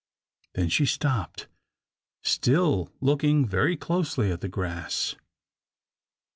Then she stopped, still looking very closely at the grass.